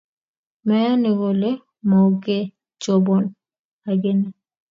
Meyoni kole mokechobon ageny.